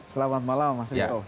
selamat malam mas indra